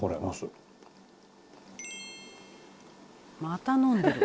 「また飲んでる」